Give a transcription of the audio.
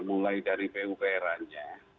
mulai dari pupera nya